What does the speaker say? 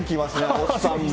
おっさんも。